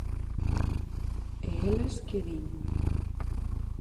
E elas, que din?